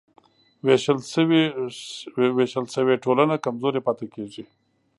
وېشل شوې ټولنه کمزورې پاتې کېږي.